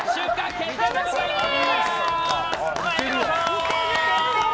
決定でございます。